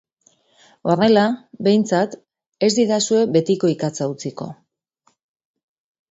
Horrela, behintzat, ez didazue betiko ikatza utziko.